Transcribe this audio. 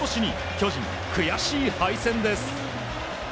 巨人、悔しい敗戦です。